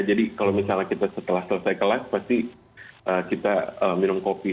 kalau misalnya kita setelah selesai kelas pasti kita minum kopi